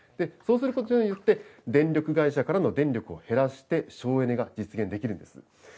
そうすることによって、電力会社からの電力を減らして、省エネが実現できるんです。